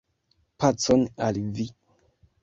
Pacon al vi!